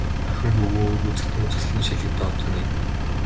Охин хөвүүн өнгө үзэгдэн, үзэсгэлэн шилэгдэн одох нь энэ.